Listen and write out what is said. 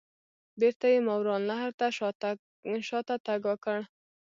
بیرته یې ماوراء النهر ته شاته تګ وکړ.